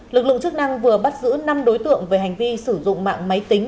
lực lượng chức năng vừa bắt giữ năm đối tượng về hành vi sử dụng mạng máy tính